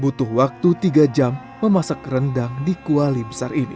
butuh waktu tiga jam memasak rendang di kuali besar ini